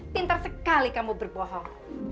pintar sekali kamu berbohong